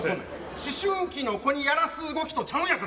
思春期の子にやらす動きとちゃうんやから。